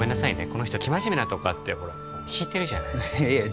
この人生真面目なとこあってほら引いてるじゃないいえ